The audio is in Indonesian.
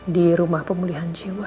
di rumah pemulihan jiwa